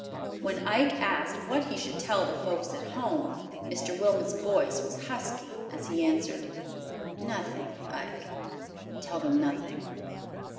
When Ike asked what he should tell the folks at home, Mr. Wilmot's voice was husky as he answered, "Nothing, Ike, tell them nothing."